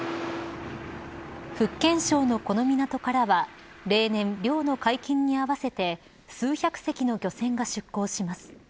福建省のこの港からは例年、漁の解禁に合わせて数百隻の漁船が出港します。